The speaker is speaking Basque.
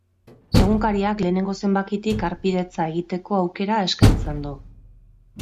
Egunkariak lehenengo zenbakitik harpidetza egiteko aukera eskaintzen du.